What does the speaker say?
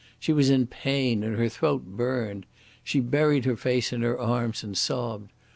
She was in pain, and her throat burned. She buried her face in her arms and sobbed.